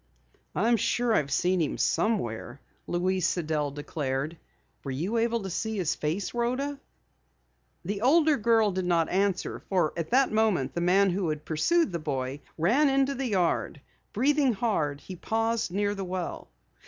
"I'm sure I've seen him somewhere," Louise Sidell declared. "Were you able to see his face, Rhoda?" The older girl did not answer, for at that moment the man who had pursued the boy ran into the yard. Breathing hard, he paused near the well.